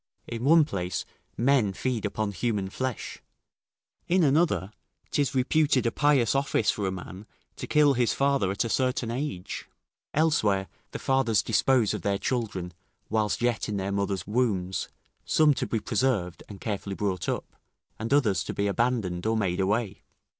In one place, men feed upon human flesh; in another, 'tis reputed a pious office for a man to kill his father at a certain age; elsewhere, the fathers dispose of their children, whilst yet in their mothers' wombs, some to be preserved and carefully brought up, and others to be abandoned or made away.